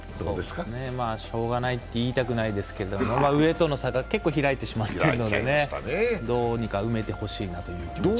しょうがないって言いたくないですけど、上との差が結構開いてしまっているのでどうにか埋めてほしいなという気持ちです。